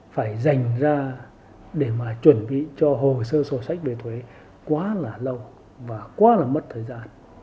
phải dành ra để mà chuẩn bị cho hồ sơ sổ sách về thuế quá là lâu và quá là mất thời gian